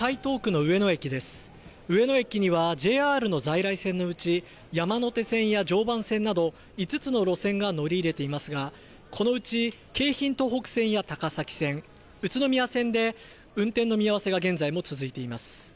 上野駅にはＪＲの在来線のうち山手線や常磐線など５つの路線が乗り入れていますがこのうち京浜東北線や高崎線、宇都宮線で運転の見合わせが現在も続いています。